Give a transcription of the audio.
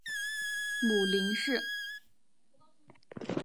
母林氏。